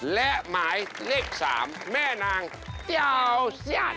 และไม้เล็กสามแม่นางเตี๋ยวเชียด